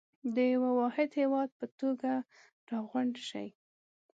د يوه واحد هېواد په توګه راغونډ شئ.